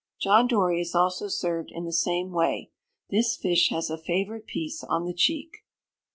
John Dory is also served in the same way. This fish has a favourite piece on the cheek.